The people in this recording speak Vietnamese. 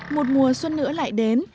một mùa xuân nữa lại đến